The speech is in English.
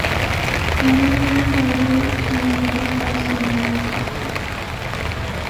Kernan was invited to the Nobel Prize ceremony in Stockholm.